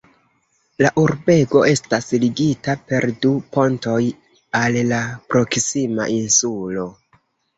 La urbego estas ligita per du pontoj al la proksima insulo.